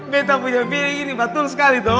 meta punya piring ini betul sekali toh